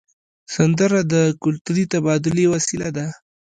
سندره د کلتوري تبادلې وسیله ده